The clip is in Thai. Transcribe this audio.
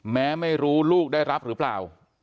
ไม่รู้ลูกได้รับหรือเปล่า